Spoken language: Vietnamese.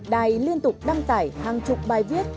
đài liên tục đăng tải hàng chục bài viết